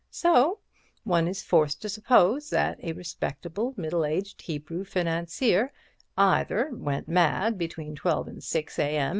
So one is forced to suppose that a respectable middle aged Hebrew financier either went mad between twelve and six a. m.